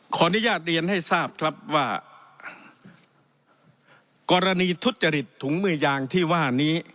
ขออนุญาตเรียนให้ทราบครับว่ากรณีทุจริตถุงมือยางที่ว่านี้